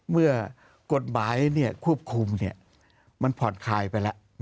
เมื่อกฎหมายเนี่ยควบคุมเนี่ยมันพอดคายไปแล้ว